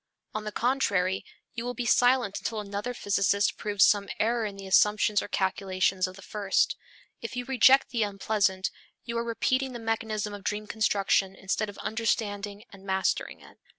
On the contrary, you will be silent until another physicist proves some error in the assumptions or calculations of the first. If you reject the unpleasant, you are repeating the mechanism of dream construction instead of understanding and mastering it.